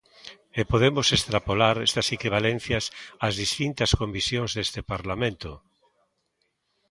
E podemos extrapolar estas equivalencias ás distintas comisións deste Parlamento.